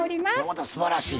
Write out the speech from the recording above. またすばらしい。